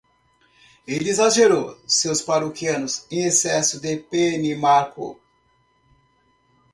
Ele exagerou seus paroquianos em excesso de Benimarco.